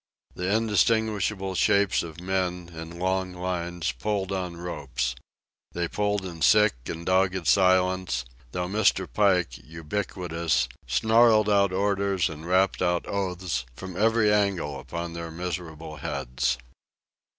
The indistinguishable shapes of men, in long lines, pulled on ropes. They pulled in sick and dogged silence, though Mr. Pike, ubiquitous, snarled out orders and rapped out oaths from every angle upon their miserable heads.